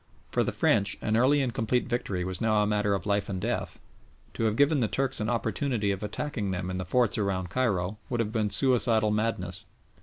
For the French an early and complete victory was now a matter of life and death. To have given the Turks an opportunity of attacking them in the forts around Cairo would have been suicidal madness.